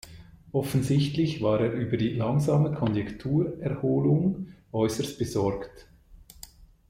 Offensichtlich war er über die langsame Konjunkturerholung äußerst besorgt.